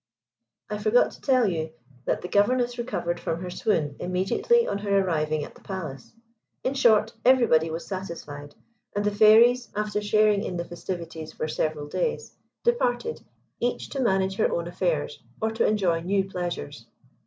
I forgot to tell you that the Governess recovered from her swoon immediately on her arriving at the Palace. In short, everybody was satisfied, and the Fairies, after sharing in the festivities for several days, departed, each to manage her own affairs, or to enjoy new pleasures.